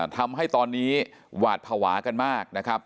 ทำให้ตอนนี้หวาดภาวะกันมากนะครับ